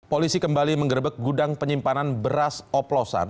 polisi kembali mengerebek gudang penyimpanan beras oplosan